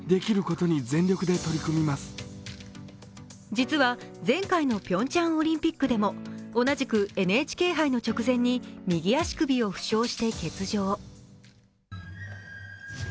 実は前回のピョンチャンオリンピックでも同じくＮＨＫ杯の直前に右足首を負傷して欠場。